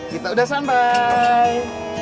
kita udah sampai